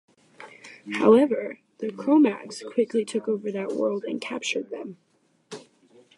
However, the Kromaggs quickly took over that world and captured them.